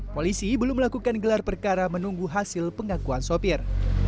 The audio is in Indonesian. polisi belum melakukan gelar perkara menunggu hasil pengakuan sopir